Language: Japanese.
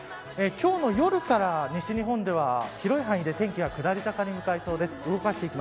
今日の夜から西日本では広い範囲で天気が下り坂に向かいそうです。